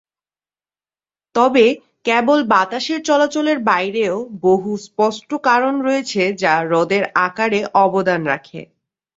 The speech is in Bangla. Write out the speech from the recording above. তবে কেবল বাতাসের চলাচলের বাইরেও বহু স্পষ্ট কারণ রয়েছে যা হ্রদের আকারে অবদান রাখে।